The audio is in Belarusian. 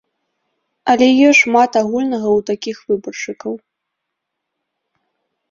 Але ёсць шмат агульнага ў такіх выбаршчыкаў.